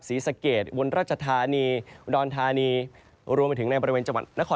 ศรีสเกตวลราชธานีวลดอนธานีรวมไปถึงในบริเวณจังหวัดนครพนมนะครับ